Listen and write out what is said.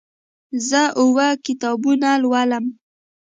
زه اووه کتابونه لولم.